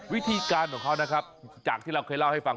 วิธีการของเขานะครับจากที่เราเคยเล่าให้ฟัง